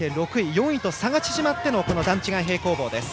４位と差が縮まっての段違い平行棒です。